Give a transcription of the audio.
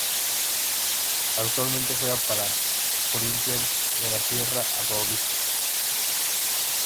Actualmente juega para Corinthians de la Serie a Paulista.